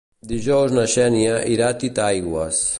Dijous na Xènia irà a Titaigües.